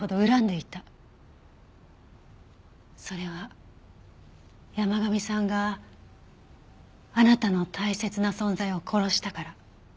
それは山神さんがあなたの大切な存在を殺したから。